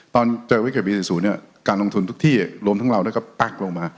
ตอนเจอวิกฤตปี๔๐เนี่ยการลงทุนทุกที่รวมทั้งเราก็แป๊กลงมา